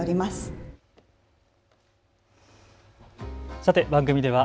さて番組では＃